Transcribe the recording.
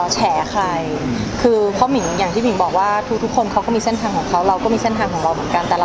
ถ้าดูจริงหมิงมีแต่แชร์ตัวเองรู้สึกอายมากกับสิ่งที่เล่าไปว่า